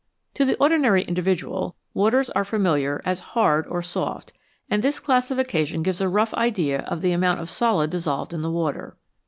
To the ordinary individual, waters are familiar as " hard " or " soft," and this classification gives a rough idea of the amount of solid dissolved in the water.